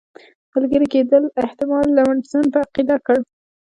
ملګري کېدلو احتمال لمسډن په عقیده کړ.